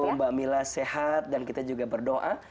mbak mila sehat dan kita juga berdoa